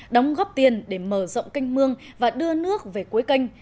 đóng góp tiền để mở rộng canh mương và đưa nước về cuối canh